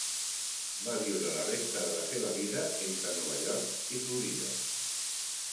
Va viure la resta de la seva vida entre Nova York i Florida.